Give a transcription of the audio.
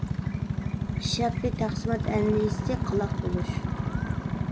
ئىش ھەققى تەقسىمات ئەندىزىسى قالاق بولۇش.